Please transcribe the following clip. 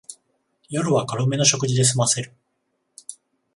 夜は軽めの食事ですませる